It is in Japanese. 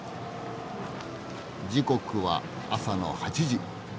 時刻は朝の８時。